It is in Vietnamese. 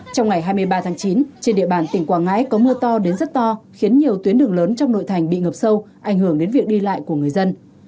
trong ngày hai mươi ba tháng chín trên địa bàn tỉnh quảng ngãi có mưa to đến rất to khiến nhiều tuyến đường lớn trong nội thành bị ngập sâu ảnh hưởng đến việc đi lại của người dân